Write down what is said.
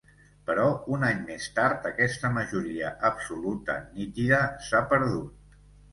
Però un any més tard, aquesta majoria absoluta, nítida, s’ha perdut.